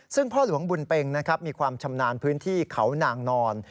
ซึ่งพ่อหลวงบุญเป็งนะครับมีความชำนาญพื้นที่เขานางนอน